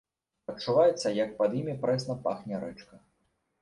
Адчуваецца, як пад імі прэсна пахне рэчка.